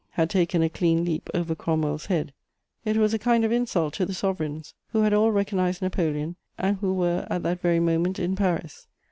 had taken a clean leap over Cromwell's head: it was a kind of insult to the sovereigns, who had all recognised Napoleon and who were at that very moment in Paris.